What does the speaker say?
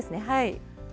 はい。